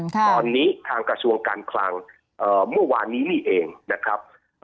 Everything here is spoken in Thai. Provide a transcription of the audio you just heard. ตอนนี้ทางกระทรวงการคลังเมื่อวานนี้นี่เองนะครับ